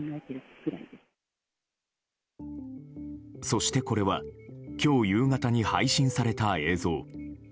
そして、これは今日夕方に配信された映像。